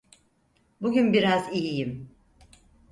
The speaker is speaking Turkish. Bugün biraz iyiyim!